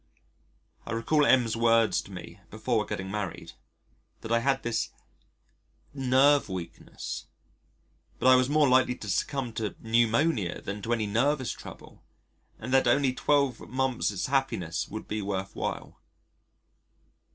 I recall M 's words to me before geting married: that I had this "nerve weakness," but I was more likely to succumb to pneumonia than to any nervous trouble, and that only 12 months' happiness would be worth while.